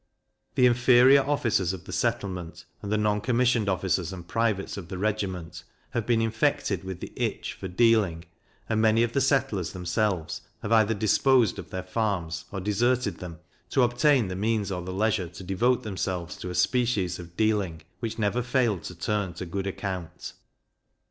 The inferior officers of the settlement, and the non commissioned officers and privates of the regiment, have been infected with the itch for dealing; and many of the settlers themselves have either disposed of their farms or deserted them, to obtain the means or the leisure to devote themselves to a species of dealing which never failed to turn to good account.